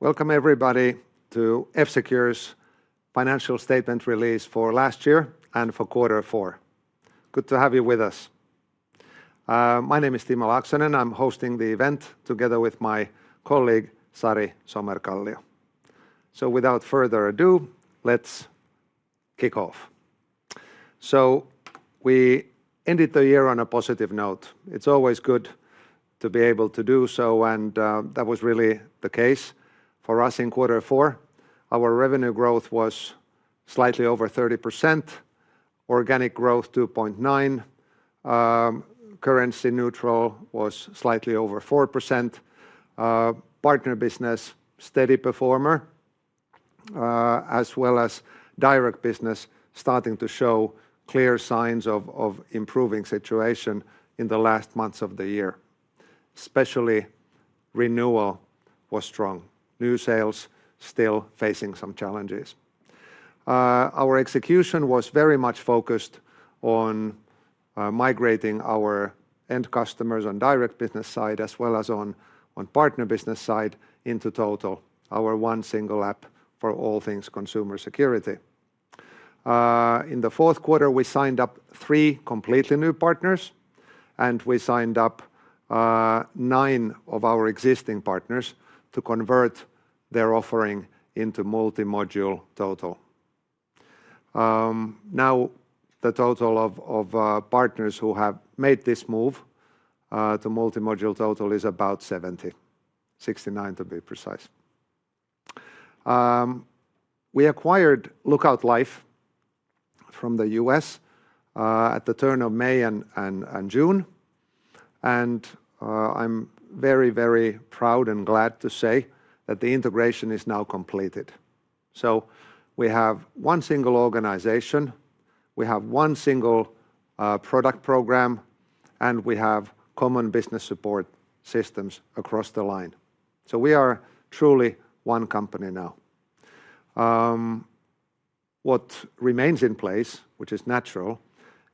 Welcome, everybody, to F-Secure's financial statement release for last year and for quarter four. Good to have you with us. My name is Timo Laaksonen. I'm hosting the event together with my colleague Sari Somerkallio. So without further ado, let's kick off. So we ended the year on a positive note. It's always good to be able to do so, and that was really the case for us in quarter four. Our revenue growth was slightly over 30%, organic growth 2.9%, currency neutral was slightly over 4%, partner business steady performer, as well as direct business starting to show clear signs of improving situation in the last months of the year. Especially renewal was strong. New sales still facing some challenges. Our execution was very much focused on migrating our end customers on direct business side as well as on partner business side into Total, our one single app for all things consumer security. In the fourth quarter, we signed up three completely new partners, and we signed up nine of our existing partners to convert their offering into multi-module Total. Now, the total of partners who have made this move to multi-module Total is about 70, 69 to be precise. We acquired Lookout Life from the U.S. at the turn of May and June, and I'm very, very proud and glad to say that the integration is now completed. So we have one single organization, we have one single product program, and we have common business support systems across the line. So we are truly one company now. What remains in place, which is natural,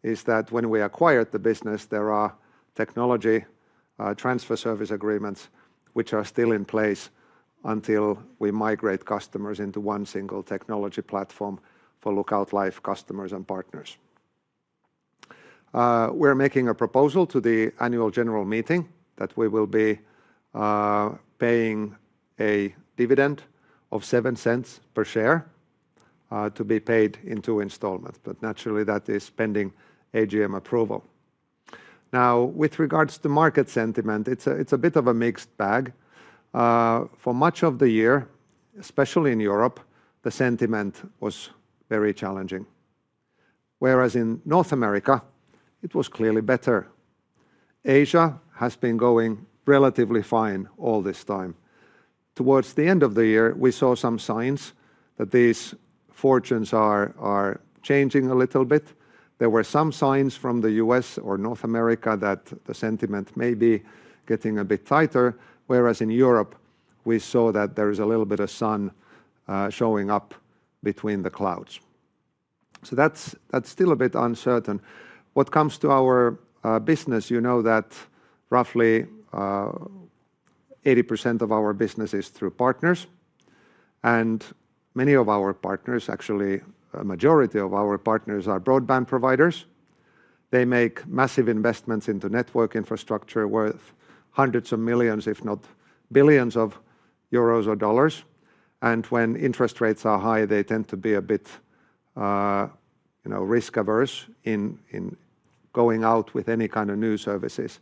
is that when we acquired the business, there are technology transfer service agreements which are still in place until we migrate customers into one single technology platform for Lookout Life customers and partners. We're making a proposal to the annual general meeting that we will be paying a dividend of 0.07 per share to be paid in two installments, but naturally that is pending AGM approval. Now, with regards to market sentiment, it's a bit of a mixed bag. For much of the year, especially in Europe, the sentiment was very challenging. Whereas in North America, it was clearly better. Asia has been going relatively fine all this time. Towards the end of the year, we saw some signs that these fortunes are changing a little bit. There were some signs from the U.S. or North America that the sentiment may be getting a bit tighter, whereas in Europe, we saw that there is a little bit of sun showing up between the clouds. So that's still a bit uncertain. What comes to our business, you know that roughly 80% of our business is through partners, and many of our partners, actually a majority of our partners, are broadband providers. They make massive investments into network infrastructure worth hundreds of millions, if not billions of euros or dollars. When interest rates are high, they tend to be a bit risk-averse in going out with any kind of new services,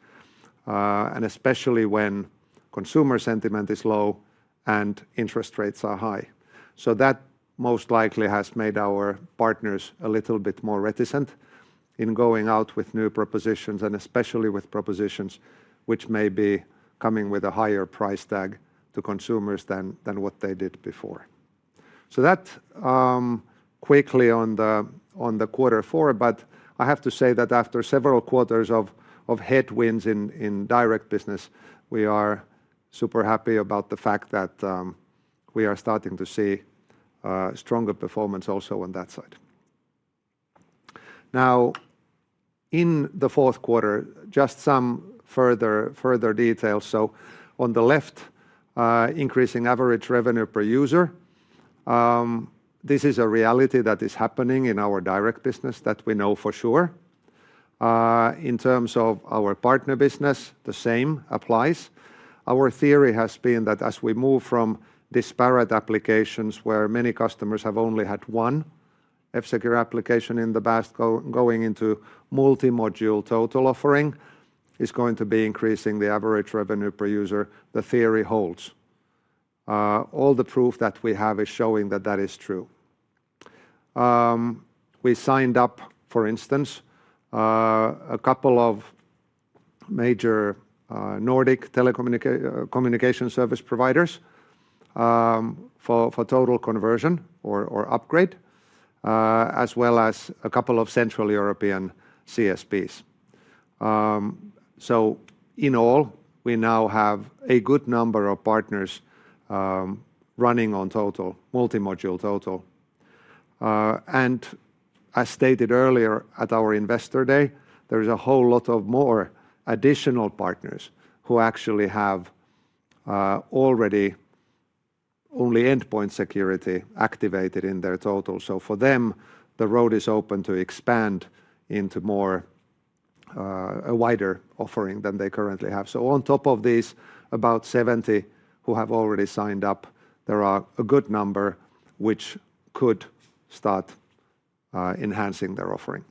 and especially when consumer sentiment is low and interest rates are high. So that most likely has made our partners a little bit more reticent in going out with new propositions, and especially with propositions which may be coming with a higher price tag to consumers than what they did before. So that quickly on the quarter four, but I have to say that after several quarters of headwinds in direct business, we are super happy about the fact that we are starting to see stronger performance also on that side. Now, in the fourth quarter, just some further details. So on the left, increasing average revenue per user. This is a reality that is happening in our direct business that we know for sure. In terms of our partner business, the same applies. Our theory has been that as we move from disparate applications where many customers have only had one F-Secure application in the past going into multi-module Total offering, it's going to be increasing the average revenue per user. The theory holds. All the proof that we have is showing that that is true. We signed up, for instance, a couple of major Nordic telecommunication service providers for Total conversion or upgrade, as well as a couple of Central European CSPs. So in all, we now have a good number of partners running on Total, multi-module Total. And as stated earlier at our investor day, there is a whole lot of more additional partners who actually have already only endpoint security activated in their Total. So for them, the road is open to expand into a wider offering than they currently have. So on top of these about 70 who have already signed up, there are a good number which could start enhancing their offering.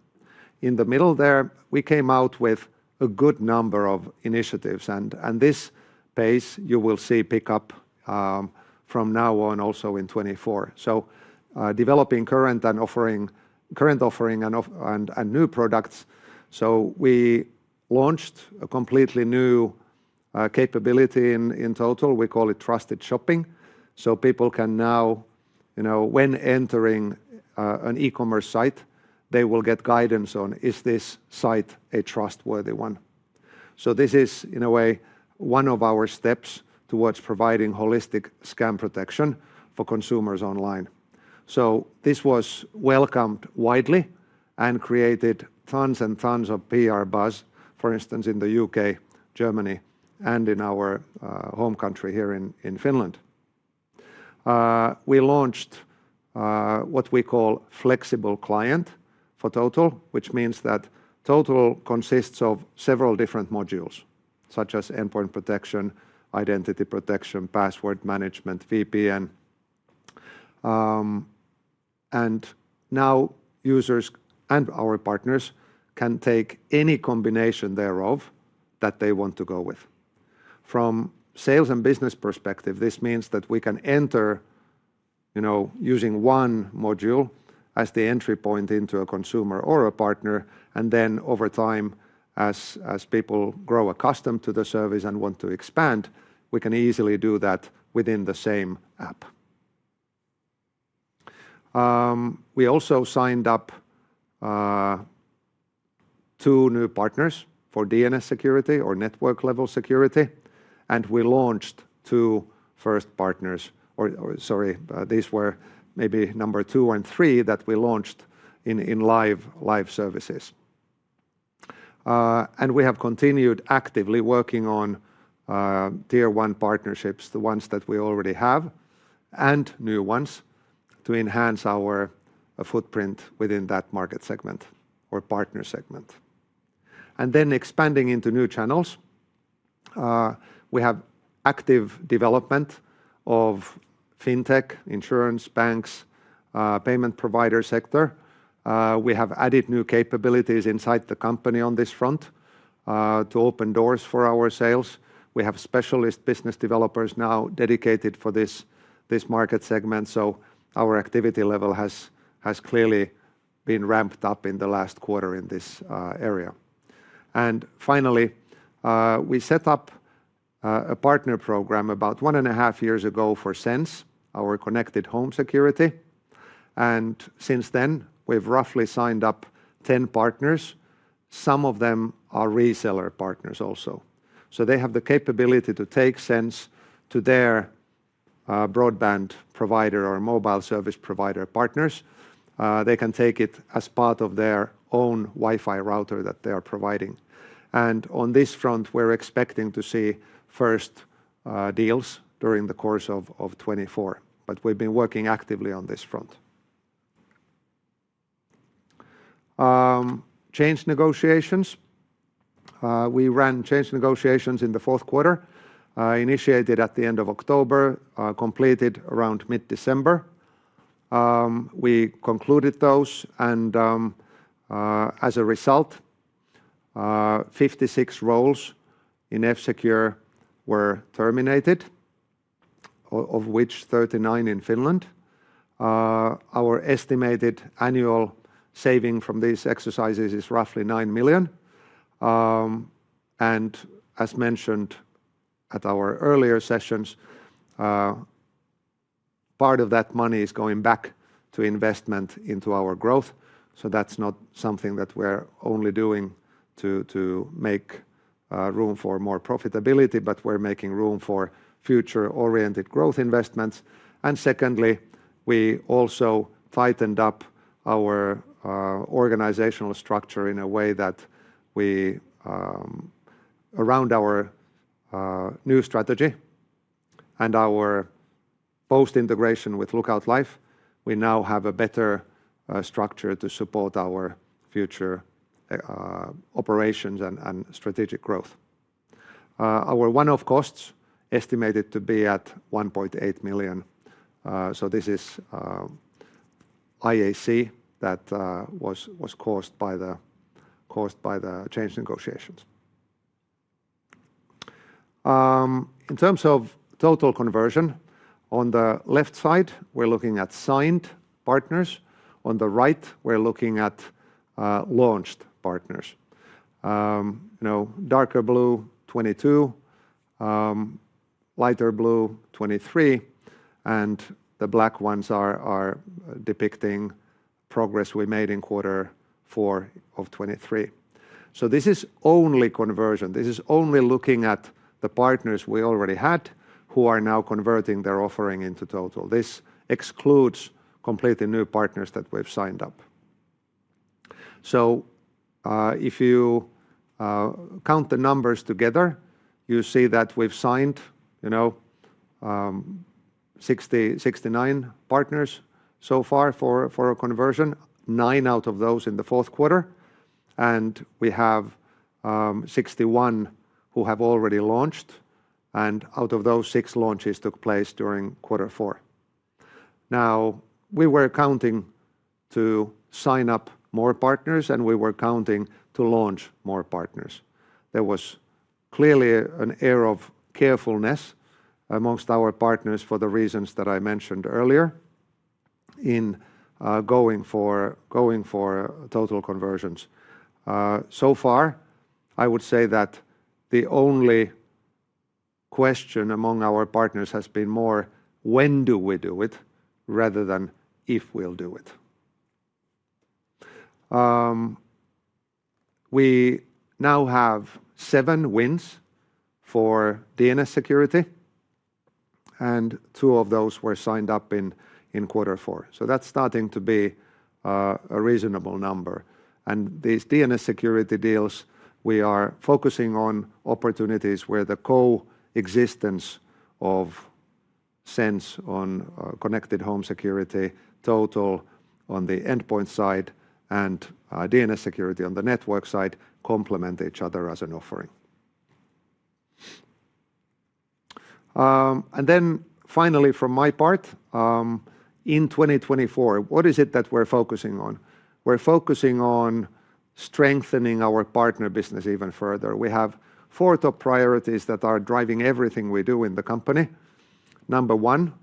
In the middle there, we came out with a good number of initiatives, and this pace you will see pick up from now on also in 2024. So developing current and offering current offering and new products. So we launched a completely new capability in Total. We call it Trusted Shopping. So people can now, when entering an e-commerce site, they will get guidance on, is this site a trustworthy one? So this is, in a way, one of our steps towards providing holistic Scam Protection for consumers online. So this was welcomed widely and created tons and tons of PR buzz, for instance, in the U.K., Germany, and in our home country here in Finland. We launched what we call Flexible Client for Total, which means that Total consists of several different modules, such as Endpoint Protection, Identity Protection, Password Management, VPN. And now users and our partners can take any combination thereof that they want to go with. From sales and business perspective, this means that we can enter using one module as the entry point into a consumer or a partner, and then over time, as people grow accustomed to the service and want to expand, we can easily do that within the same app. We also signed up two new partners for DNS security or network-level security, and we launched two first partners. Or sorry, these were maybe number two and three that we launched in live services. We have continued actively working on Tier 1 partnerships, the ones that we already have, and new ones to enhance our footprint within that market segment or partner segment. Then expanding into new channels, we have active development of fintech, insurance, banks, payment provider sector. We have added new capabilities inside the company on this front to open doors for our sales. We have specialist business developers now dedicated for this market segment, so our activity level has clearly been ramped up in the last quarter in this area. Finally, we set up a partner program about one and a half years ago for Sense, our connected home security. Since then, we've roughly signed up 10 partners. Some of them are reseller partners also. So they have the capability to take Sense to their broadband provider or mobile service provider partners. They can take it as part of their own Wi-Fi router that they are providing. And on this front, we're expecting to see first deals during the course of 2024, but we've been working actively on this front. Change negotiations. We ran change negotiations in the fourth quarter, initiated at the end of October, completed around mid-December. We concluded those, and as a result, 56 roles in F-Secure were terminated, of which 39 in Finland. Our estimated annual saving from these exercises is roughly 9 million. And as mentioned at our earlier sessions, part of that money is going back to investment into our growth. So that's not something that we're only doing to make room for more profitability, but we're making room for future-oriented growth investments. Secondly, we also tightened up our organizational structure in a way that we around our new strategy and our post-integration with Lookout Life, we now have a better structure to support our future operations and strategic growth. Our one-off costs estimated to be at 1.8 million. So this is IAC that was caused by the change negotiations. In terms of Total conversion, on the left side, we're looking at signed partners. On the right, we're looking at launched partners. Darker blue, 2022. Lighter blue, 2023. And the black ones are depicting progress we made in quarter four of 2023. So this is only conversion. This is only looking at the partners we already had who are now converting their offering into Total. This excludes completely new partners that we've signed up. So if you count the numbers together, you see that we've signed 69 partners so far for a conversion, nine out of those in the fourth quarter. We have 61 who have already launched, and out of those, six launches took place during quarter four. Now, we were counting to sign up more partners, and we were counting to launch more partners. There was clearly an air of carefulness among our partners for the reasons that I mentioned earlier in going for Total conversions. So far, I would say that the only question among our partners has been more, when do we do it, rather than if we'll do it? We now have seven wins for DNS security, and two of those were signed up in quarter four. So that's starting to be a reasonable number. These DNS security deals, we are focusing on opportunities where the coexistence of Sense on connected home security, Total on the endpoint side, and DNS security on the network side complement each other as an offering. Then finally, from my part, in 2024, what is it that we're focusing on? We're focusing on strengthening our partner business even further. We have four top priorities that are driving everything we do in the company. Number one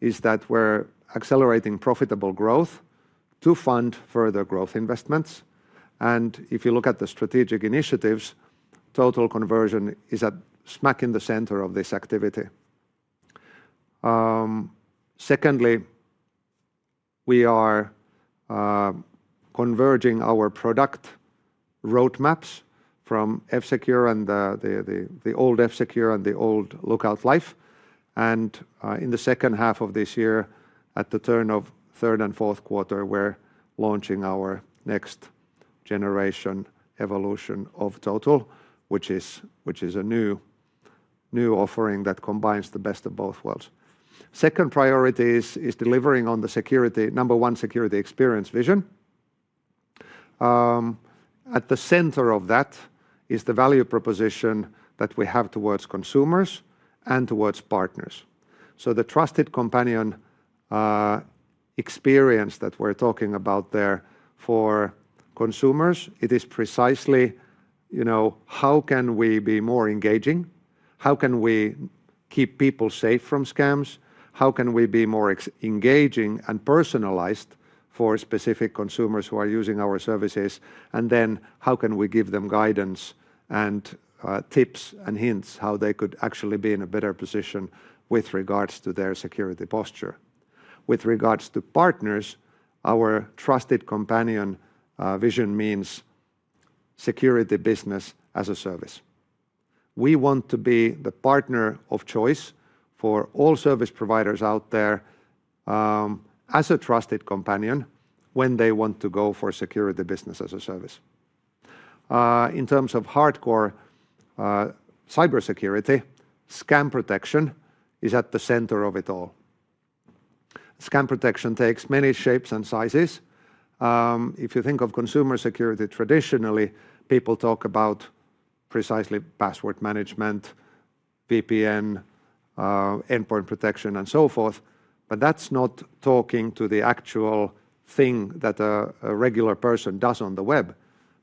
is that we're accelerating profitable growth to fund further growth investments. And if you look at the strategic initiatives, Total conversion is at smack in the center of this activity. Secondly, we are converging our product roadmaps from F-Secure and the old F-Secure and the old Lookout Life. And in the second half of this year, at the turn of third and fourth quarter, we're launching our next generation evolution of Total, which is a new offering that combines the best of both worlds. Second priority is delivering on the security number one, security experience vision. At the center of that is the value proposition that we have towards consumers and towards partners. So the trusted companion experience that we're talking about there for consumers, it is precisely, you know, how can we be more engaging? How can we keep people safe from scams? How can we be more engaging and personalized for specific consumers who are using our services? And then how can we give them guidance and tips and hints how they could actually be in a better position with regards to their security posture? With regards to partners, our trusted companion vision means security business as a service. We want to be the partner of choice for all service providers out there as a trusted companion when they want to go for security business as a service. In terms of hardcore cybersecurity, Scam Protection is at the center of it all. Scam Protection takes many shapes and sizes. If you think of consumer security, traditionally, people talk about precisely Password Management, VPN, Endpoint Protection, and so forth. But that's not talking to the actual thing that a regular person does on the web.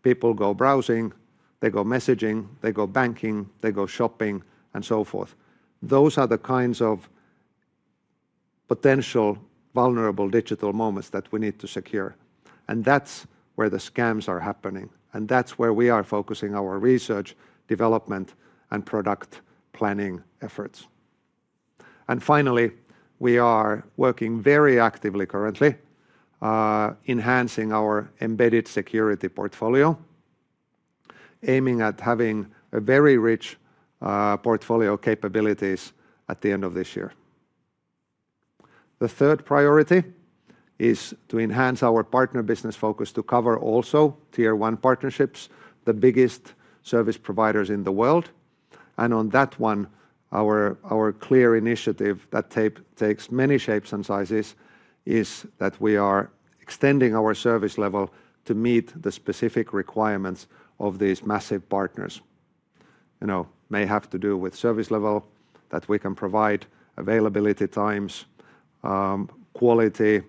People go browsing, they go messaging, they go banking, they go shopping, and so forth. Those are the kinds of potential vulnerable digital moments that we need to secure. That's where the scams are happening. That's where we are focusing our research, development, and product planning efforts. And finally, we are working very actively currently enhancing our embedded security portfolio, aiming at having a very rich portfolio capabilities at the end of this year. The third priority is to enhance our partner business focus to cover also Tier 1 partnerships, the biggest service providers in the world. And on that one, our clear initiative that takes many shapes and sizes is that we are extending our service level to meet the specific requirements of these massive partners. You know, may have to do with service level that we can provide availability times, quality,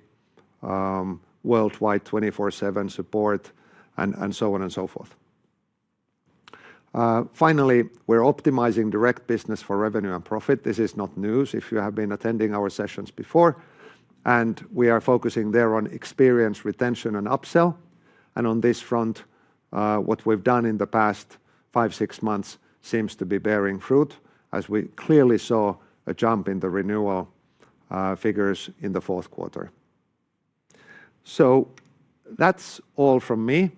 worldwide 24/7 support, and so on and so forth. Finally, we're optimizing direct business for revenue and profit. This is not news if you have been attending our sessions before. And we are focusing there on experience retention and upsell. On this front, what we've done in the past five, six months seems to be bearing fruit, as we clearly saw a jump in the renewal figures in the fourth quarter. So that's all from me.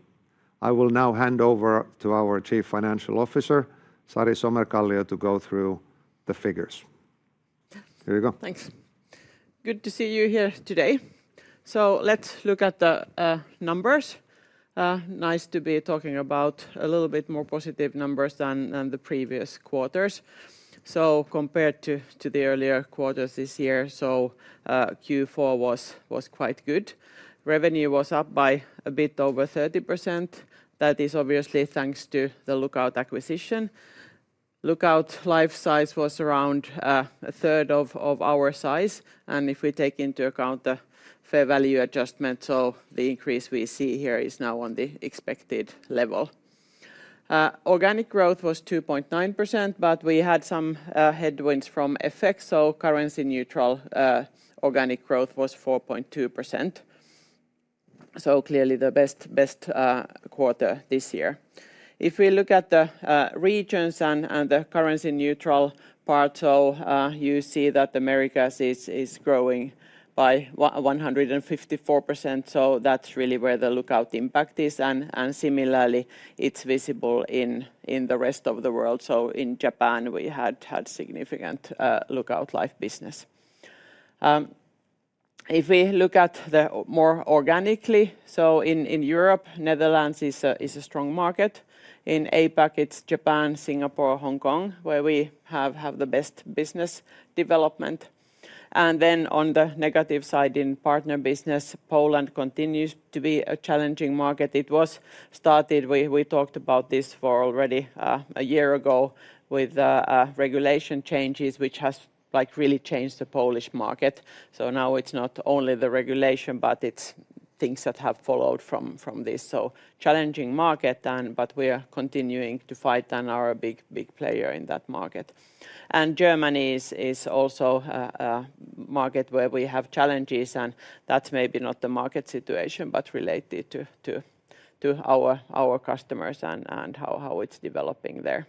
I will now hand over to our Chief Financial Officer, Sari Somerkallio, to go through the figures. Here you go. Thanks. Good to see you here today. So let's look at the numbers. Nice to be talking about a little bit more positive numbers than the previous quarters. So. Compared to the earlier quarters this year, so Q4 was quite good. Revenue was up by a bit over 30%. That is obviously thanks to the Lookout acquisition. Lookout Life size was around a third of our size. And if we take into account the fair value adjustment, so the increase we see here is now on the expected level. Organic growth was 2.9%, but we had some headwinds from FX, so currency-neutral organic growth was 4.2%. So clearly, the best quarter this year. If we look at the regions and the currency-neutral part, so you see that Americas is growing by 154%. So that's really where the Lookout impact is. And similarly, it's visible in the rest of the world. So in Japan, we had significant Lookout Life business. If we look at the more organically, so in Europe, Netherlands is a strong market. In APAC, it's Japan, Singapore, Hong Kong, where we have the best business development. And then on the negative side in partner business, Poland continues to be a challenging market. It was started we talked about this for already a year ago with regulation changes, which has really changed the Polish market. So now it's not only the regulation, but it's things that have followed from this. So challenging market, but we are continuing to fight and are a big player in that market. And Germany is also a market where we have challenges. And that's maybe not the market situation, but related to our customers and how it's developing there.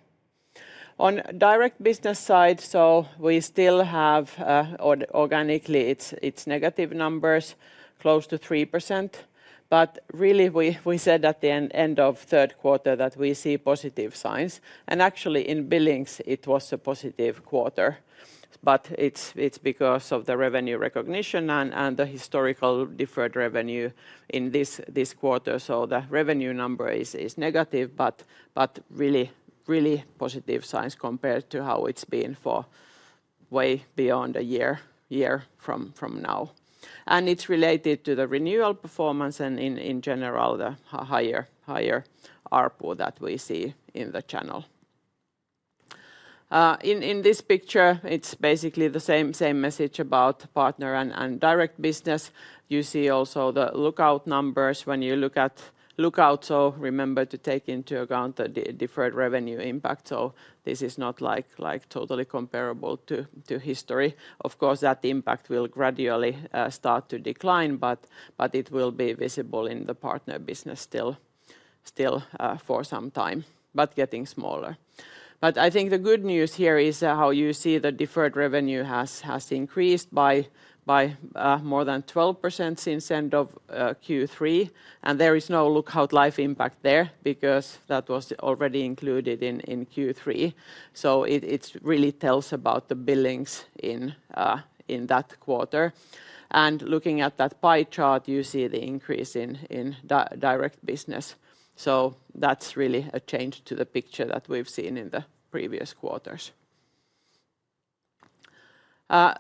On direct business side, so we still have organically, it's negative numbers, close to 3%. But really, we said at the end of third quarter that we see positive signs. And actually, in billings, it was a positive quarter. But it's because of the revenue recognition and the historical deferred revenue in this quarter. So the revenue number is negative, but really, really positive signs compared to how it's been for way beyond a year from now. It's related to the renewal performance and in general, the higher ARPU that we see in the channel. In this picture, it's basically the same message about partner and direct business. You see also the Lookout numbers. When you look at Lookout, so remember to take into account the deferred revenue impact. So this is not like totally comparable to history. Of course, that impact will gradually start to decline, but it will be visible in the partner business still for some time, but getting smaller. But I think the good news here is how you see the deferred revenue has increased by more than 12% since end of Q3. And there is no Lookout Life impact there because that was already included in Q3. So it really tells about the billings in that quarter. And looking at that pie chart, you see the increase in direct business. So that's really a change to the picture that we've seen in the previous quarters.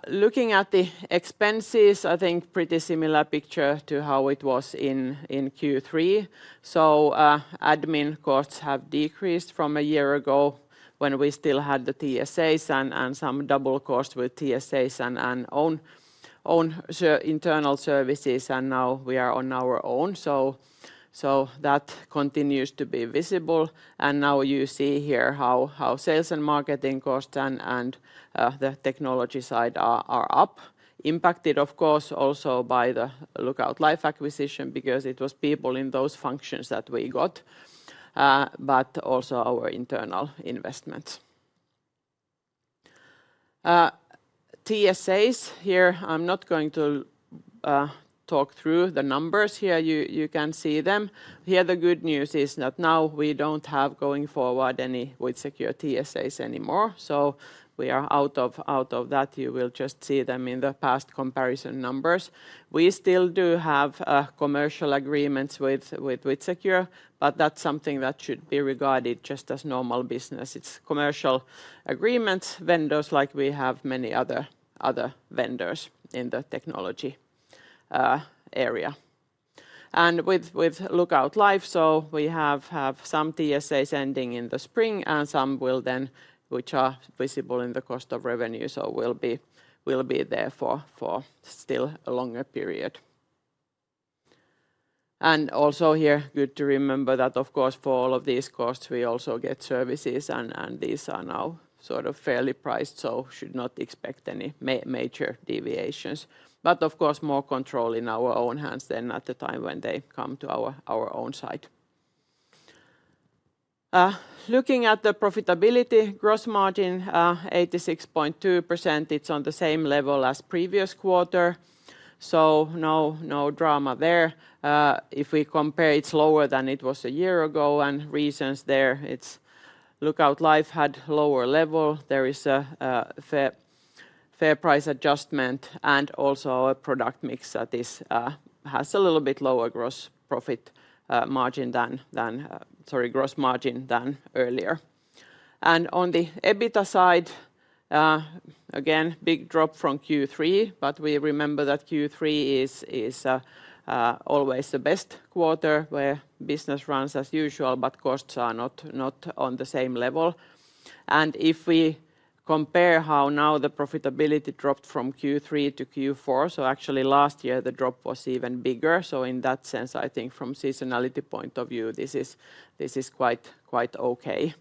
Looking at the expenses, I think pretty similar picture to how it was in Q3. So admin costs have decreased from a year ago when we still had the TSAs and some double costs with TSAs and own internal services. And now we are on our own. So that continues to be visible. And now you see here how sales and marketing costs and the technology side are up, impacted, of course, also by the Lookout Life acquisition because it was people in those functions that we got, but also our internal investments. TSAs here, I'm not going to talk through the numbers here. You can see them. Here, the good news is that now we don't have going forward any WithSecure TSAs anymore. So we are out of that. You will just see them in the past comparison numbers. We still do have commercial agreements with WithSecure, but that's something that should be regarded just as normal business. It's commercial agreements, vendors like we have many other vendors in the technology area. And with Lookout Life, so we have some TSAs ending in the spring and some will then, which are visible in the cost of revenue, so will be there for still a longer period. And also here, good to remember that, of course, for all of these costs, we also get services. And these are now sort of fairly priced, so should not expect any major deviations. But of course, more control in our own hands then at the time when they come to our own site. Looking at the profitability, gross margin 86.2%. It's on the same level as previous quarter. So no drama there. If we compare, it's lower than it was a year ago. And reasons there, it's Lookout Life had lower level. There is a fair price adjustment and also a product mix that has a little bit lower gross profit margin than sorry, gross margin than earlier. And on the EBITDA side, again, big drop from Q3. But we remember that Q3 is always the best quarter where business runs as usual, but costs are not on the same level. And if we compare how now the profitability dropped from Q3 to Q4, so actually last year the drop was even bigger. So in that sense, I think from seasonality point of view, this is quite okay.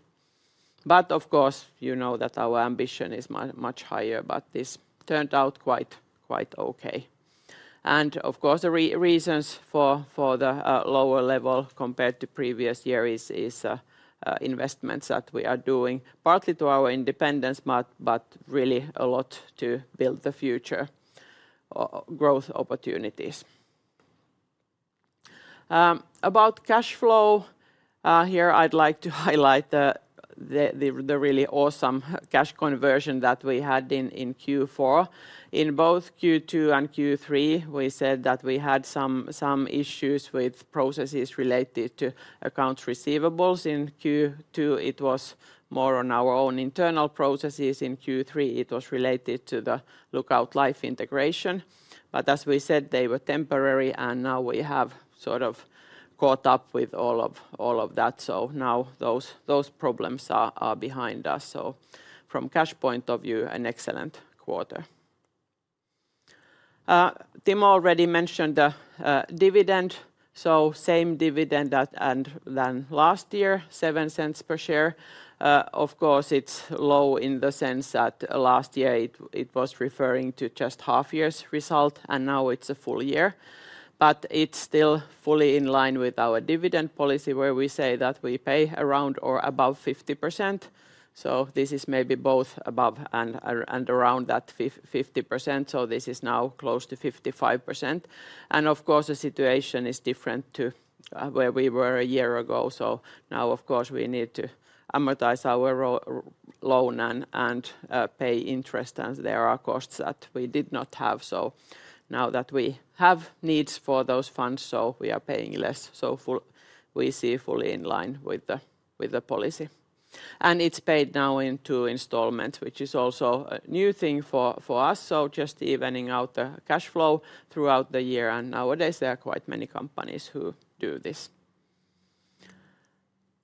But of course, you know that our ambition is much higher, but this turned out quite okay. Of course, the reasons for the lower level compared to previous year is investments that we are doing partly to our independence, but really a lot to build the future growth opportunities. About cash flow, here I'd like to highlight the really awesome cash conversion that we had in Q4. In both Q2 and Q3, we said that we had some issues with processes related to accounts receivables. In Q2, it was more on our own internal processes. In Q3, it was related to the Lookout Life integration. But as we said, they were temporary. And now we have sort of caught up with all of that. So now those problems are behind us. So from cash point of view, an excellent quarter. Timo already mentioned the dividend. So same dividend than last year, 0.07 per share. Of course, it's low in the sense that last year it was referring to just half year's result. Now it's a full year. But it's still fully in line with our dividend policy where we say that we pay around or above 50%. So this is maybe both above and around that 50%. So this is now close to 55%. And of course, the situation is different to where we were a year ago. So now, of course, we need to amortize our loan and pay interest. And there are costs that we did not have. So now that we have needs for those funds, so we are paying less. So we see fully in line with the policy. And it's paid now in two installments, which is also a new thing for us. So just evening out the cash flow throughout the year. Nowadays, there are quite many companies who do this.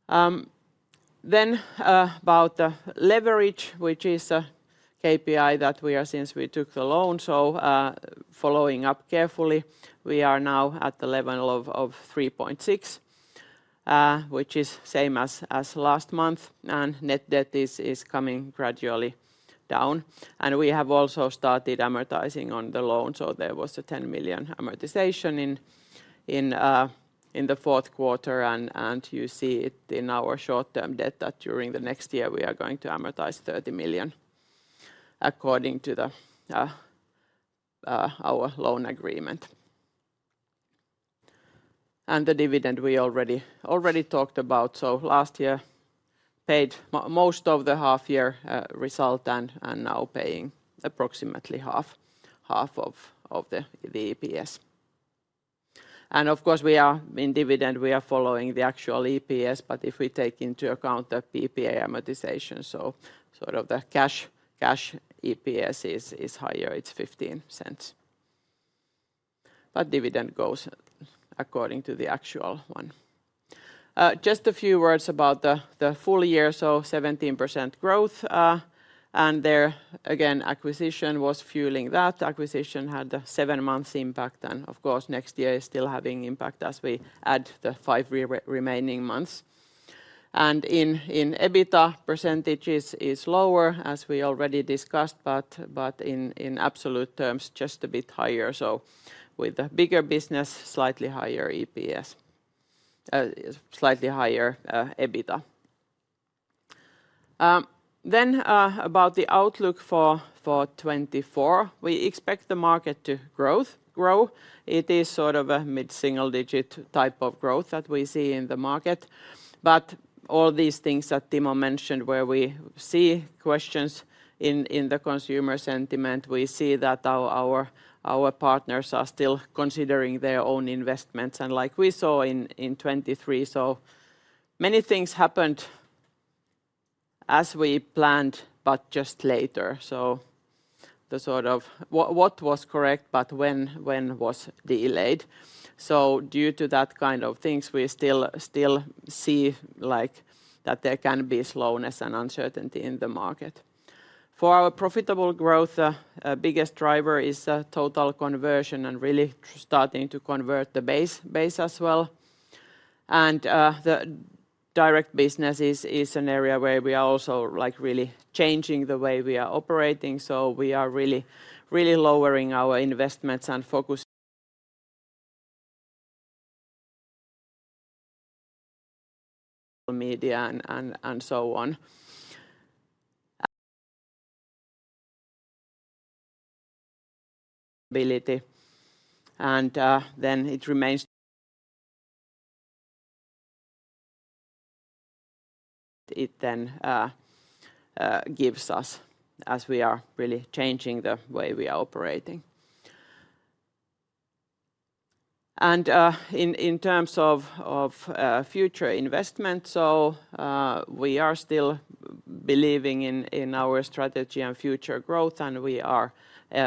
Then about the leverage, which is a KPI that we are since we took the loan. So following up carefully, we are now at the level of 3.6, which is same as last month. And net debt is coming gradually down. And we have also started amortizing on the loan. So there was a 10 million amortization in the fourth quarter. And you see it in our short-term debt that during the next year we are going to amortize 30 million according to our loan agreement. And the dividend we already talked about. So last year paid most of the half year result and now paying approximately half of the EPS. And of course, we are in dividend, we are following the actual EPS. But if we take into account the PPA amortization, so sort of the cash EPS is higher. It's 0.15. But dividend goes according to the actual one. Just a few words about the full year, so 17% growth. And there, again, acquisition was fueling that. Acquisition had the seven-month impact. And of course, next year is still having impact as we add the five remaining months. And in EBITDA, percentage is lower, as we already discussed. But in absolute terms, just a bit higher. So with the bigger business, slightly higher EPS, slightly higher EBITDA. Then about the outlook for 2024, we expect the market to grow. It is sort of a mid-single-digit type of growth that we see in the market. But all these things that Timo mentioned where we see questions in the consumer sentiment, we see that our partners are still considering their own investments. Like we saw in 2023, so many things happened as we planned, but just later. So the sort of what was correct, but when was delayed. So due to that kind of things, we still see like that there can be slowness and uncertainty in the market. For our profitable growth, the biggest driver is Total conversion and really starting to convert the base as well. And the direct business is an area where we are also really changing the way we are operating. So we are really lowering our investments and focusing on social media and so on. And then it remains to be seen what it then gives us as we are really changing the way we are operating. And in terms of future investment, so we are still believing in our strategy and future growth. We are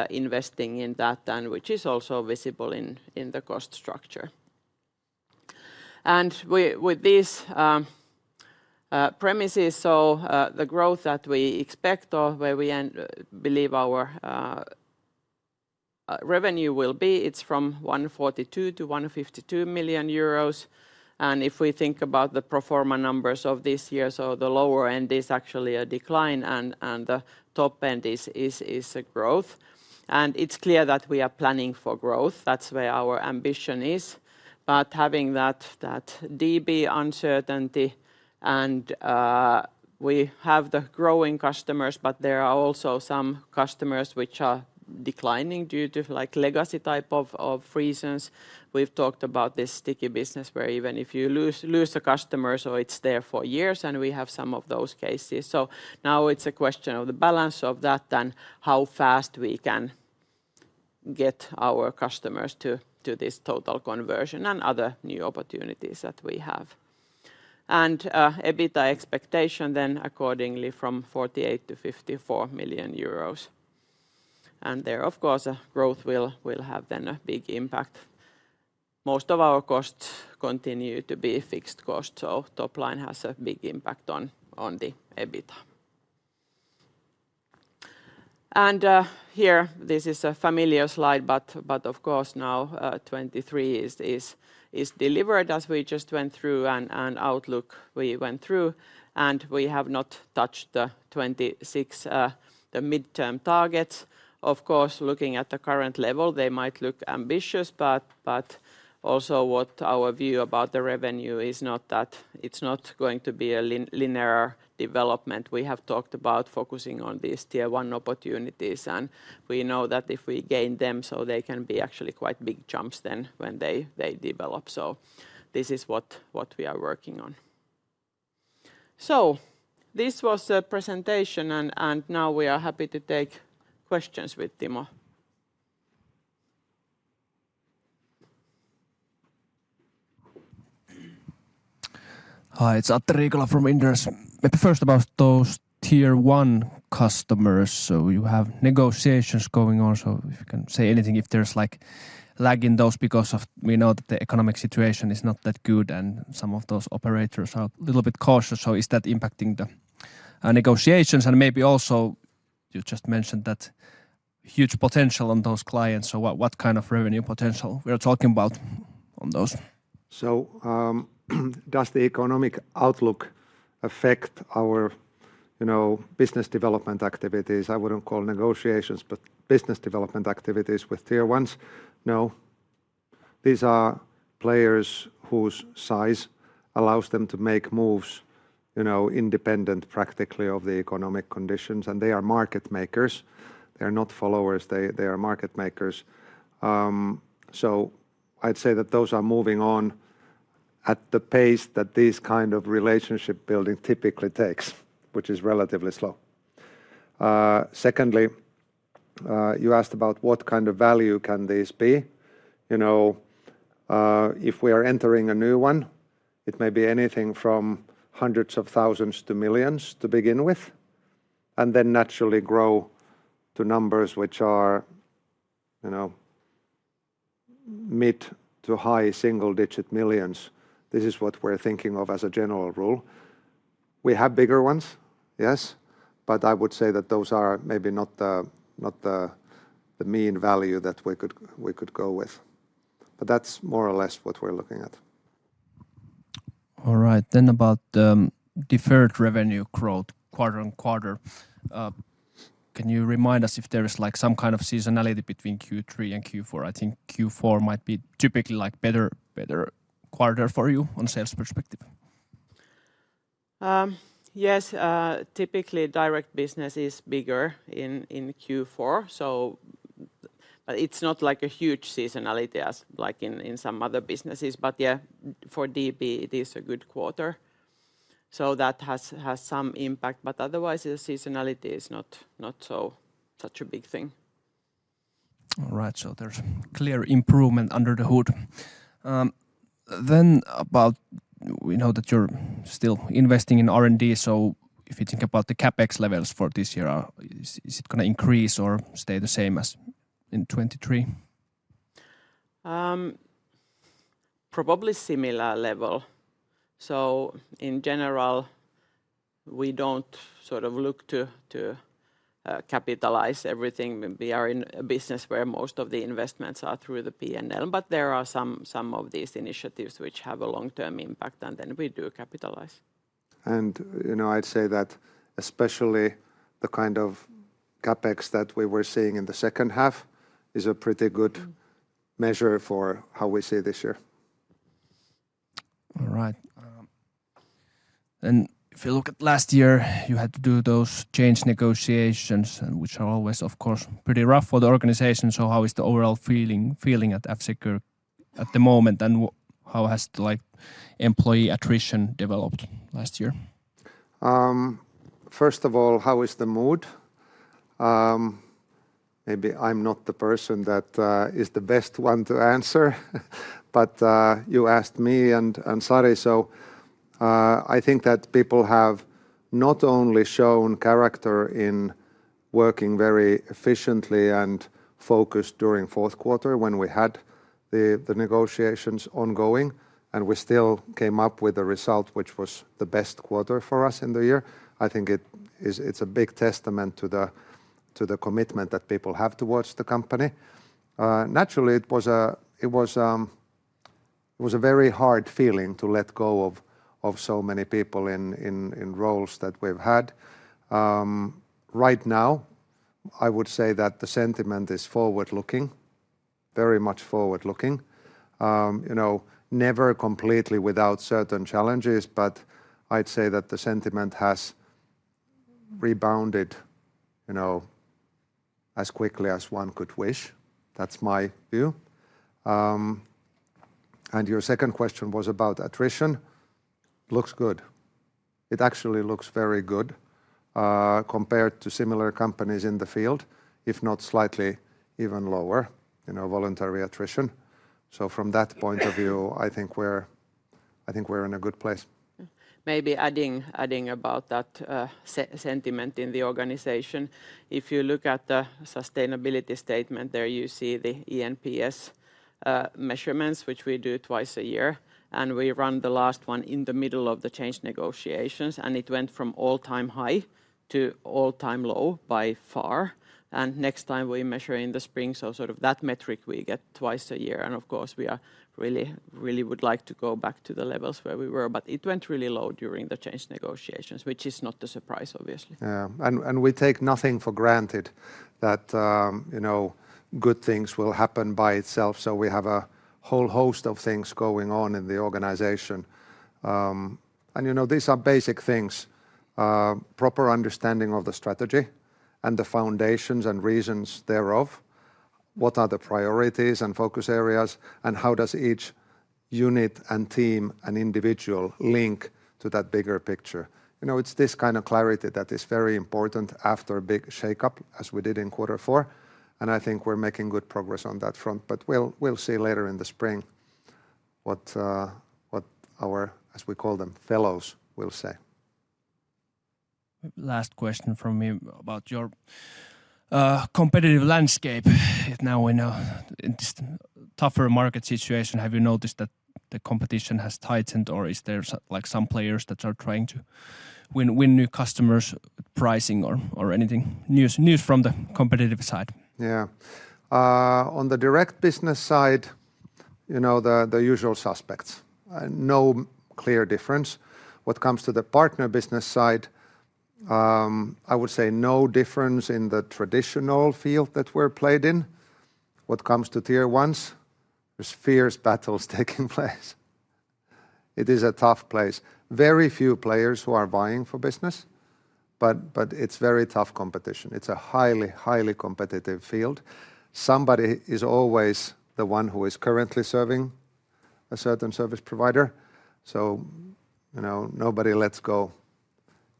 investing in that, which is also visible in the cost structure. With these premises, so the growth that we expect or where we believe our revenue will be, it's from 142 million-152 million euros. If we think about the pro forma numbers of this year, so the lower end is actually a decline and the top end is a growth. It's clear that we are planning for growth. That's where our ambition is. But having that DB uncertainty and we have the growing customers, but there are also some customers which are declining due to like legacy type of reasons. We've talked about this sticky business where even if you lose a customer, so it's there for years. We have some of those cases. Now it's a question of the balance of that and how fast we can get our customers to this Total conversion and other new opportunities that we have. EBITDA expectation then accordingly from 48 million-54 million euros. There, of course, growth will have then a big impact. Most of our costs continue to be fixed costs. Top line has a big impact on the EBITDA. Here, this is a familiar slide. Of course, now 2023 is delivered as we just went through and outlook we went through. We have not touched the 2026 mid-term targets. Of course, looking at the current level, they might look ambitious. But also, our view about the revenue is not that it's not going to be a linear development. We have talked about focusing on these Tier 1 opportunities. And we know that if we gain them, so they can be actually quite big jumps then when they develop. So this is what we are working on. So this was the presentation. And now we are happy to take questions with Timo. Hi. It's Atte Riikola from Inderes. Maybe first about those Tier 1 customers. So you have negotiations going on. So if you can say anything if there's like lag in those because of we know that the economic situation is not that good and some of those operators are a little bit cautious. So is that impacting the negotiations? And maybe also you just mentioned that huge potential on those clients. So what kind of revenue potential we are talking about on those? So does the economic outlook affect our business development activities? I wouldn't call negotiations, but business development activities with Tier 1s? No. These are players whose size allows them to make moves independent practically of the economic conditions. They are market makers. They are not followers. They are market makers. So I'd say that those are moving on at the pace that this kind of relationship building typically takes, which is relatively slow. Secondly, you asked about what kind of value can these be? You know if we are entering a new one, it may be anything from hundreds of thousands of euros to millions of euros to begin with and then naturally grow to numbers which are mid- to high single-digit millions. This is what we're thinking of as a general rule. We have bigger ones, yes. But I would say that those are maybe not the mean value that we could go with. But that's more or less what we're looking at. All right. Then about deferred revenue growth quarter-over-quarter. Can you remind us if there is like some kind of seasonality between Q3 and Q4? I think Q4 might be typically like better quarter for you on sales perspective. Yes. Typically, direct business is bigger in Q4. But it's not like a huge seasonality as like in some other businesses. But yeah, for DB, it is a good quarter. So that has some impact. But otherwise, the seasonality is not such a big thing. All right. So there's clear improvement under the hood. Then about we know that you're still investing in R&D. So if you think about the CapEx levels for this year, is it going to increase or stay the same as in 2023? Probably similar level. So in general, we don't sort of look to capitalize everything. We are in a business where most of the investments are through the P&L. But there are some of these initiatives which have a long-term impact. And then we do capitalize. And you know I'd say that especially the kind of CapEx that we were seeing in the second half is a pretty good measure for how we see this year. All right. And if you look at last year, you had to do those change negotiations, which are always, of course, pretty rough for the organization. So how is the overall feeling at F-Secure at the moment? And how has the employee attrition developed last year? First of all, how is the mood? Maybe I'm not the person that is the best one to answer. But you asked me and Sari. So I think that people have not only shown character in working very efficiently and focused during fourth quarter when we had the negotiations ongoing. And we still came up with a result which was the best quarter for us in the year. I think it's a big testament to the commitment that people have towards the company. Naturally, it was a very hard feeling to let go of so many people in roles that we've had. Right now, I would say that the sentiment is forward-looking, very much forward-looking. You know, never completely without certain challenges. But I'd say that the sentiment has rebounded as quickly as one could wish. That's my view. And your second question was about attrition. Looks good. It actually looks very good compared to similar companies in the field, if not slightly even lower, you know, voluntary attrition. So from that point of view, I think we're in a good place. Maybe adding about that sentiment in the organization. If you look at the sustainability statement there, you see the eNPS measurements, which we do twice a year. And we run the last one in the middle of the change negotiations. And it went from all-time high to all-time low by far. And next time we measure in the spring. So sort of that metric we get twice a year. And of course, we really would like to go back to the levels where we were. But it went really low during the change negotiations, which is not a surprise, obviously. Yeah. And we take nothing for granted that you know good things will happen by itself. So we have a whole host of things going on in the organization. And you know these are basic things: proper understanding of the strategy and the foundations and reasons thereof, what are the priorities and focus areas, and how does each unit and team and individual link to that bigger picture? You know it's this kind of clarity that is very important after a big shakeup as we did in quarter four. And I think we're making good progress on that front. But we'll see later in the spring what our, as we call them, fellows will say. Last question from me about your competitive landscape. Now we know in this tougher market situation, have you noticed that the competition has tightened? Or is there like some players that are trying to win new customers with pricing or anything? News from the competitive side. Yeah. On the direct business side, you know the usual suspects. No clear difference. What comes to the partner business side, I would say no difference in the traditional field that we're played in. What comes to Tier 1s, there's fierce battles taking place. It is a tough place. Very few players who are buying for business. But it's very tough competition. It's a highly, highly competitive field. Somebody is always the one who is currently serving a certain service provider. So you know nobody lets go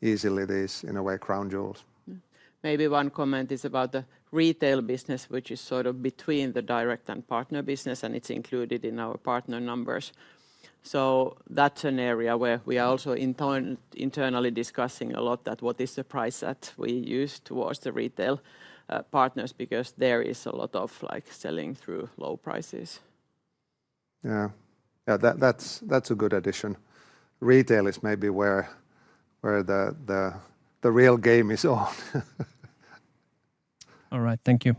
easily these, in a way, crown jewels. Maybe one comment is about the retail business, which is sort of between the direct and partner business. And it's included in our partner numbers. So that's an area where we are also internally discussing a lot that what is the price that we use towards the retail partners because there is a lot of selling through low prices. Yeah. Yeah. That's a good addition. Retail is maybe where the real game is on. All right. Thank you.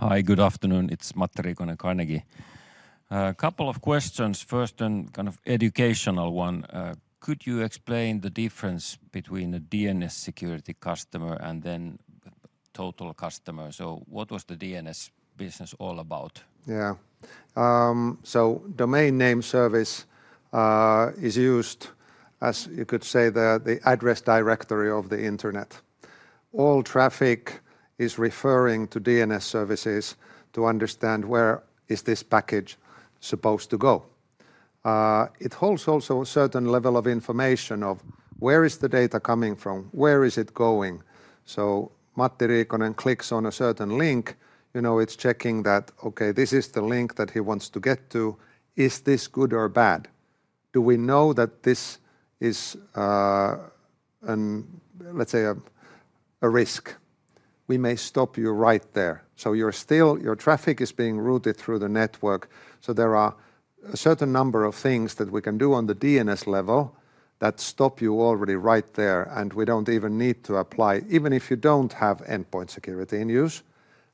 Hi. Good afternoon. It's Matti Riikonen, Carnegie. A couple of questions. First, a kind of educational one. Could you explain the difference between a DNS security customer and then a total customer? So what was the DNS business all about? Yeah. So domain name service is used, as you could say, the address directory of the internet. All traffic is referring to DNS services to understand where is this package supposed to go. It holds also a certain level of information of where is the data coming from? Where is it going? So Matti Riikonen clicks on a certain link. You know it's checking that, okay, this is the link that he wants to get to. Is this good or bad? Do we know that this is, let's say, a risk? We may stop you right there. So your traffic is being routed through the network. So there are a certain number of things that we can do on the DNS level that stop you already right there. And we don't even need to apply. Even if you don't have endpoint security in use,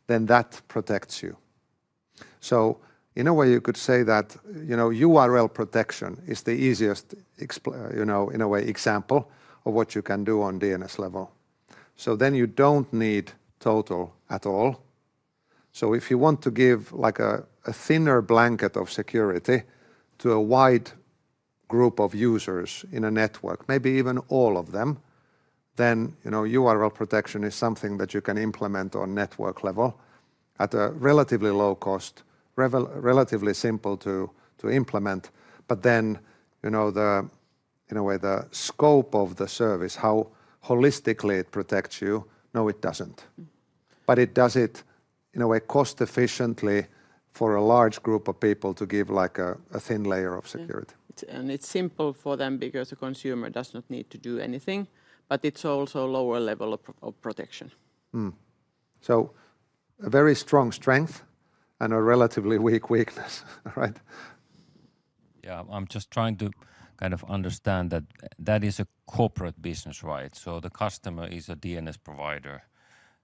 then that protects you. So in a way, you could say that URL Protection is the easiest, you know in a way, example of what you can do on DNS level. So then you don't need Total at all. So if you want to give like a thinner blanket of security to a wide group of users in a network, maybe even all of them, then URL Protection is something that you can implement on network level at a relatively low cost, relatively simple to implement. But then, you know, in a way, the scope of the service, how holistically it protects you, no, it doesn't. But it does it, in a way, cost-efficiently for a large group of people to give, like, a thin layer of security. And it's simple for them because the consumer does not need to do anything. But it's also a lower level of protection. So a very strong strength and a relatively weak weakness. All right. Yeah. I'm just trying to kind of understand that that is a corporate business, right? So the customer is a DNS provider.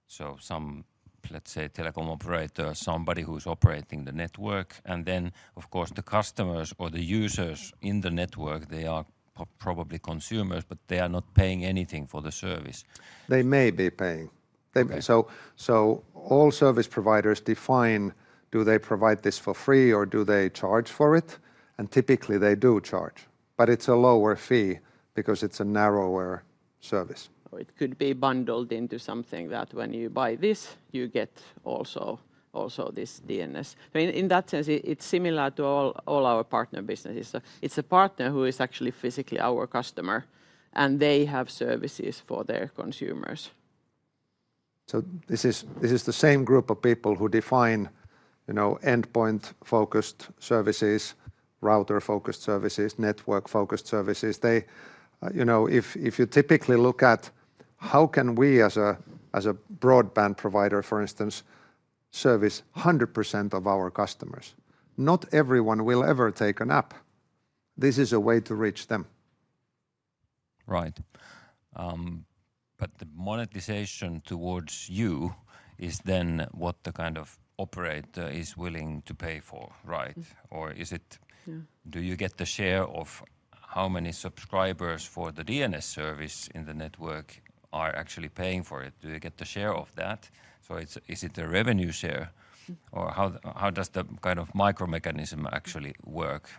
So some, let's say, telecom operator, somebody who's operating the network. And then, of course, the customers or the users in the network, they are probably consumers. But they are not paying anything for the service. They may be paying. So all service providers decide, do they provide this for free or do they charge for it? And typically, they do charge. But it's a lower fee because it's a narrower service. It could be bundled into something that when you buy this, you get also this DNS. So in that sense, it's similar to all our partner businesses. So it's a partner who is actually physically our customer. And they have services for their consumers. So this is the same group of people who decide, you know, endpoint-focused services, router-focused services, network-focused services. They, you know, if you typically look at how can we, as a broadband provider, for instance, service 100% of our customers? Not everyone will ever take an app. This is a way to reach them. Right. But the monetization towards you is then what the kind of operator is willing to pay for, right? Or is it, do you get the share of how many subscribers for the DNS service in the network are actually paying for it? Do you get the share of that? So is it a revenue share? Or how does the kind of micro-mechanism actually work?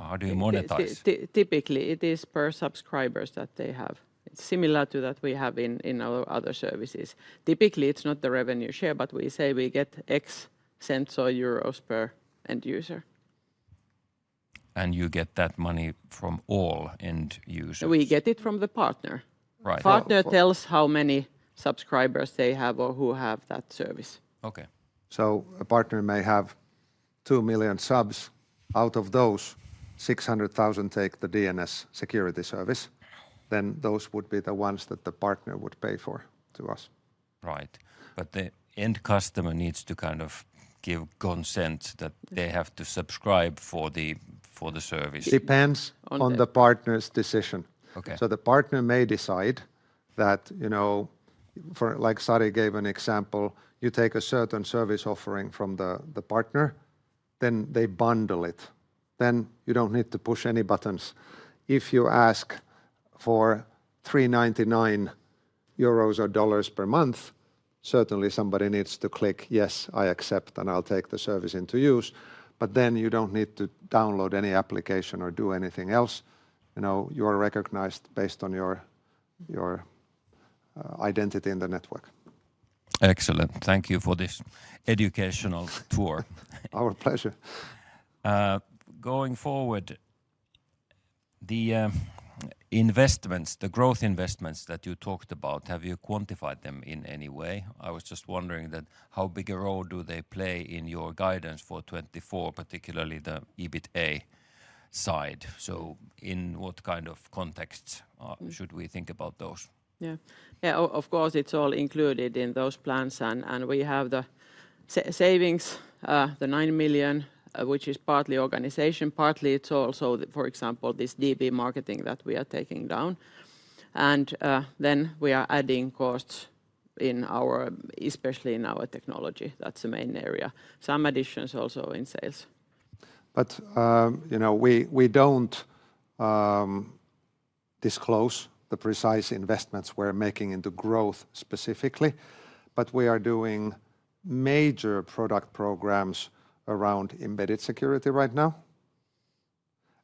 How do you monetize? Typically, it is per subscribers that they have. It's similar to that we have in our other services. Typically, it's not the revenue share. But we say we get X cents or euros per end user. And you get that money from all end users? We get it from the partner. The partner tells how many subscribers they have or who have that service. Okay. So a partner may have 2 million subs. Out of those, 600,000 take the DNS security service. Then those would be the ones that the partner would pay for to us. Right. But the end customer needs to kind of give consent that they have to subscribe for the service. Depends on the partner's decision. So the partner may decide that, you know, for like Sari gave an example, you take a certain service offering from the partner. Then they bundle it. Then you don't need to push any buttons. If you ask for 399 euros or $399 per month, certainly somebody needs to click, yes, I accept. And I'll take the service into use. But then you don't need to download any application or do anything else. You know, you are recognized based on your identity in the network. Excellent. Thank you for this educational tour. Our pleasure. Going forward, the investments, the growth investments that you talked about, have you quantified them in any way? I was just wondering that how big a role do they play in your guidance for 2024, particularly the EBITDA side? So in what kind of contexts should we think about those? Yeah. Yeah. Of course, it's all included in those plans. And we have the savings, the 9 million, which is partly organization, partly it's also, for example, this DB marketing that we are taking down. And then we are adding costs in our, especially in our technology. That's the main area. Some additions also in sales. But you know we don't disclose the precise investments we're making into growth specifically. But we are doing major product programs around embedded security right now.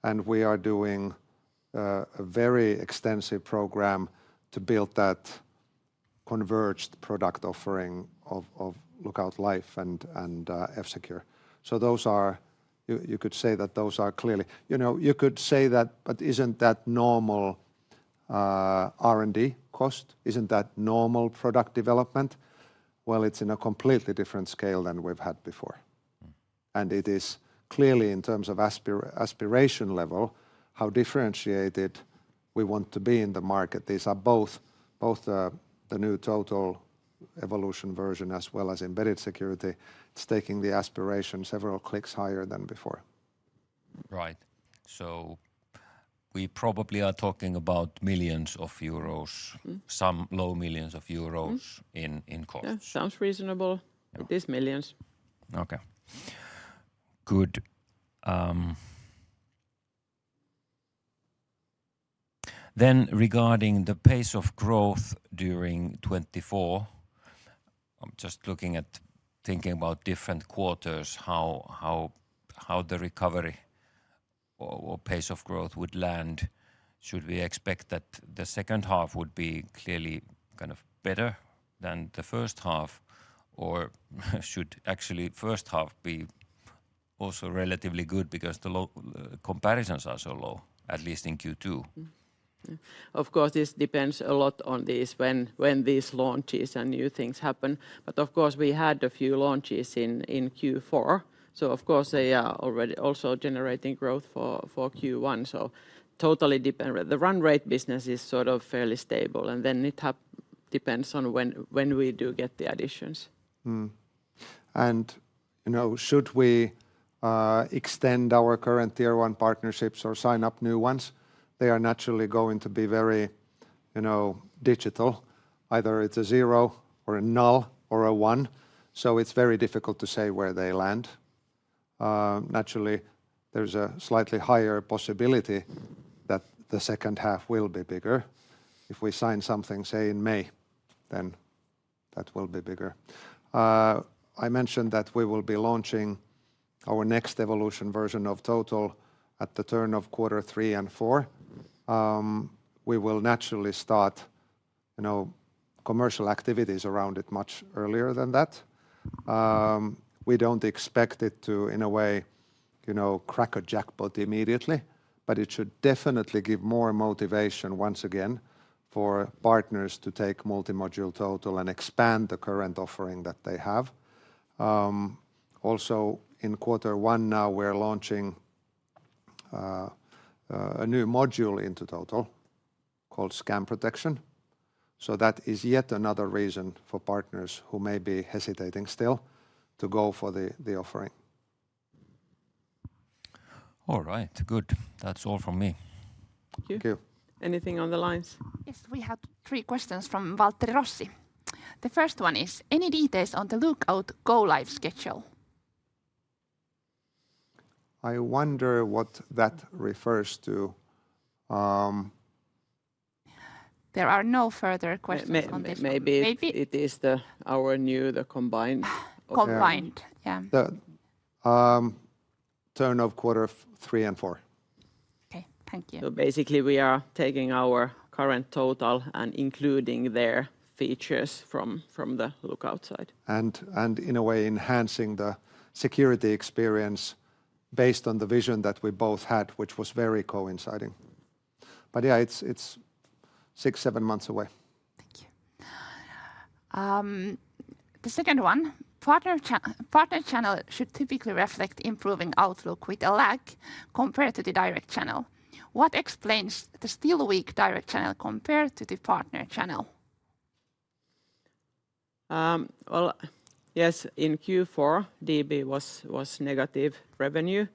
And we are doing a very extensive program to build that converged product offering of Lookout Life and F-Secure. So those are, you could say that those are clearly, you know, you could say that, but isn't that normal R&D cost? Isn't that normal product development? Well, it's in a completely different scale than we've had before. And it is clearly, in terms of aspiration level, how differentiated we want to be in the market. These are both the new Total evolution version as well as embedded security. It's taking the aspiration several clicks higher than before. Right. So we probably are talking about millions of euros, some low millions of euros in cost. Yeah. Sounds reasonable. It is millions of euros. Okay. Good. Then regarding the pace of growth during 2024, I'm just looking at, thinking about different quarters, how the recovery or pace of growth would land. Should we expect that the second half would be clearly kind of better than the first half? Or, should actually the first half be also relatively good because the comparisons are so low, at least in Q2? Of course, this depends a lot on this when this launches and new things happen. But of course, we had a few launches in Q4. So of course, they are already also generating growth for Q1. So totally depends. The run rate business is sort of fairly stable. And then it depends on when we do get the additions. And you know, should we extend our current Tier 1 partnerships or sign up new ones? They are naturally going to be very, you know, digital. Either it's a zero or a null or a one. So it's very difficult to say where they land. Naturally, there's a slightly higher possibility that the second half will be bigger. If we sign something, say, in May, then that will be bigger. I mentioned that we will be launching our next evolution version of Total at the turn of quarter three and four. We will naturally start, you know, commercial activities around it much earlier than that. We don't expect it to, in a way, you know, crack a jackpot immediately. But it should definitely give more motivation, once again, for partners to take multimodule Total and expand the current offering that they have. Also, in quarter one now, we're launching a new module into Total called Scam Protection. So that is yet another reason for partners who may be hesitating still to go for the offering. All right. Good. That's all from me. Thank you. Thank you. Anything on the lines? Yes. We have three questions from Valtteri Rossi. The first one is, any details on the Lookout Go Live schedule? I wonder what that refers to. There are no further questions on this. Maybe it is our new, the combined offering. Combined. Yeah. Turn of quarter three and four. Okay. Thank you. So basically, we are taking our current total and including their features from the Lookout side. And in a way, enhancing the security experience based on the vision that we both had, which was very coinciding. But yeah, it's six to seven months away. Thank you. The second one, partner channel should typically reflect improving outlook with a lag compared to the direct channel. What explains the still weak direct channel compared to the partner channel? Well, yes. In Q4, DB was negative revenue.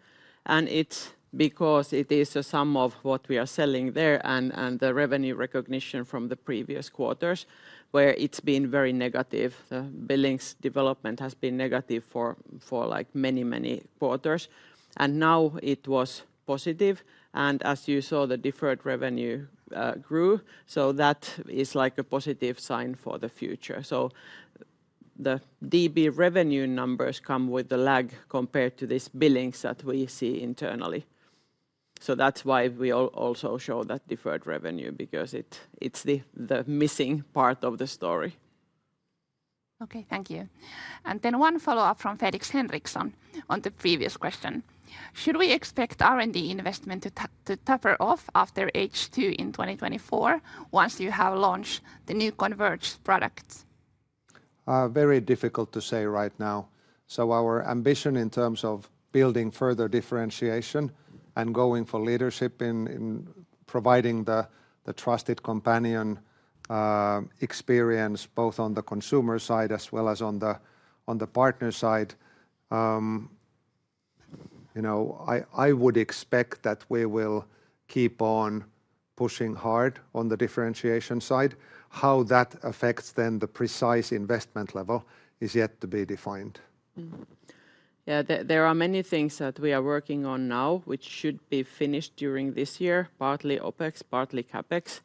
And it's because it is a sum of what we are selling there and the revenue recognition from the previous quarters, where it's been very negative. The billings development has been negative for many, many quarters. And now it was positive. As you saw, the deferred revenue grew. That is like a positive sign for the future. The DB revenue numbers come with a lag compared to these billings that we see internally. That's why we also show that deferred revenue, because it's the missing part of the story. Okay. Thank you. Then one follow-up from Felix Henriksson on the previous question. Should we expect R&D investment to taper off after H2 in 2024 once you have launched the new converged products? Very difficult to say right now. Our ambition, in terms of building further differentiation and going for leadership in providing the trusted companion experience both on the consumer side as well as on the partner side, you know, I would expect that we will keep on pushing hard on the differentiation side. How that affects then the precise investment level is yet to be defined. Yeah. There are many things that we are working on now, which should be finished during this year, partly OpEx, partly CapEx.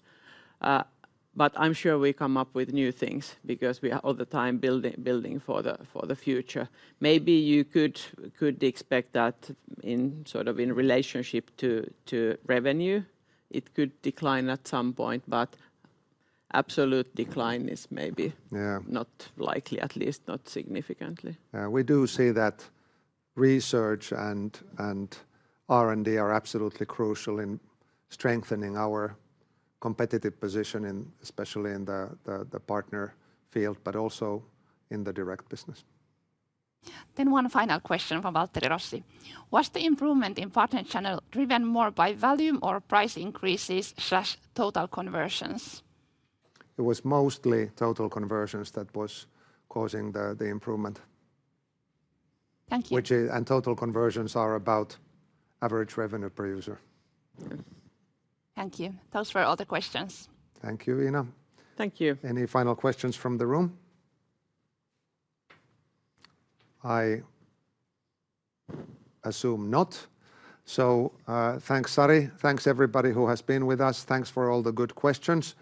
But I'm sure we come up with new things because we are all the time building for the future. Maybe you could expect that in sort of in relationship to revenue, it could decline at some point. But absolute decline is maybe not likely, at least not significantly. We do see that research and R&D are absolutely crucial in strengthening our competitive position, especially in the partner field, but also in the direct business. One final question from Valtteri Rossi. Was the improvement in partner channel driven more by volume or price increases slash Total conversions? It was mostly Total conversions that was causing the improvement. Thank you. Total conversions are about average revenue per user. Thank you. Those were all the questions. Thank you, Ina. Thank you. Any final questions from the room? I assume not. Thanks, Sari. Thanks, everybody who has been with us. Thanks for all the good questions.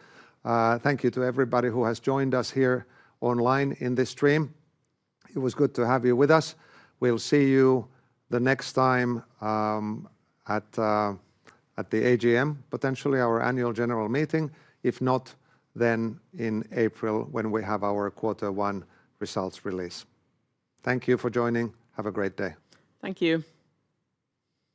Thank you to everybody who has joined us here online in this stream. It was good to have you with us. We'll see you the next time at the AGM, potentially our annual general meeting. If not, then in April when we have our quarter one results release. Thank you for joining. Have a great day. Thank you.